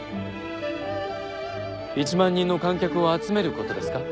１万人の観客を集めることですか？